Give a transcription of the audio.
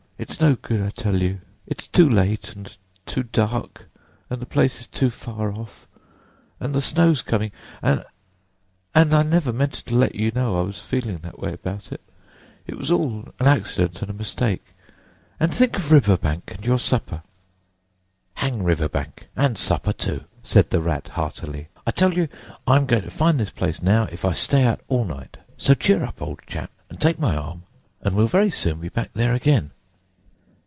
"It's no good, I tell you! It's too late, and too dark, and the place is too far off, and the snow's coming! And—and I never meant to let you know I was feeling that way about it—it was all an accident and a mistake! And think of River Bank, and your supper!" "Hang River Bank, and supper too!" said the Rat heartily. "I tell you, I'm going to find this place now, if I stay out all night. So cheer up, old chap, and take my arm, and we'll very soon be back there again."